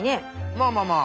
まあまあまあ。